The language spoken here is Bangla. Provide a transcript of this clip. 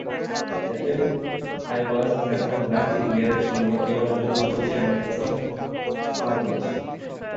অ্যাপলের আইওয়াচ, স্যামসাং গ্যালাক্সি গিয়ারের সঙ্গে এবার যুক্ত হচ্ছে মাইক্রোসফটের স্মার্টওয়াচ।